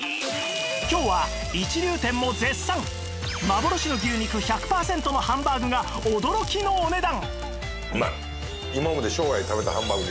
今日は一流店も絶賛幻の牛肉１００パーセントのハンバーグが驚きのお値段！